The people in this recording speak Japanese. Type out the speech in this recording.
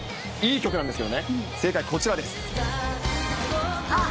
いい曲なんですけどね、正解こちらです。